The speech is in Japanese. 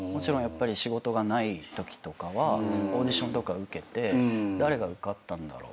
仕事がないときとかはオーディションとか受けて誰が受かったんだろう。